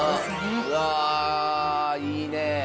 わいいね。